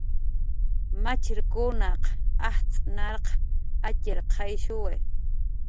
Machirkunaq ajtz' narq atx'irqayshuwi.